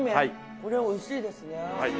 これおいしいですね。